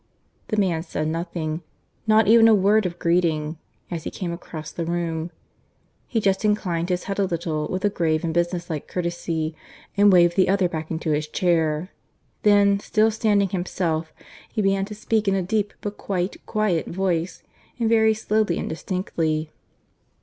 The man said nothing not even a word of greeting as he came across the room. He just inclined his head a little, with a grave and business like courtesy, and waved the other back into his chair. Then, still standing himself, he began to speak in a deep but quite quiet voice, and very slowly and distinctly.